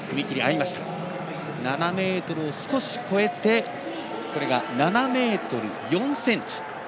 ７ｍを少し越えて７ｍ４ｃｍ。